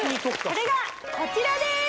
それがこちらです！